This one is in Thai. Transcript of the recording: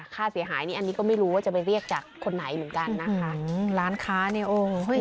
ค่าเสียหายนี่อันนี้ก็ไม่รู้ว่าจะไปเรียกจากคนไหนเหมือนกันนะคะอืมร้านค้าเนี่ยโอ้โห